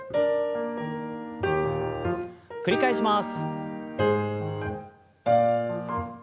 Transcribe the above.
繰り返します。